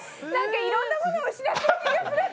いろんなものを失っていく感じがする、私。